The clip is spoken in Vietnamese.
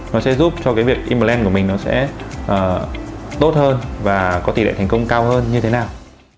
nó sẽ giúp cho cái việc imland của mình nó sẽ tốt hơn và có tỷ lệ thành công cao hơn như thế nào